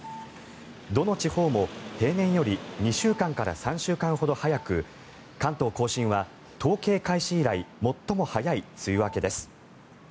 どの地方も平年より２週間から３週間ほど早く関東・甲信は統計開始以来最も早い梅雨明けです。